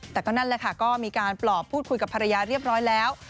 แต่ก็นั่นแหละค่ะก็มีการปลอบพูดคุยกับภรรยาเรียบร้อยแล้ว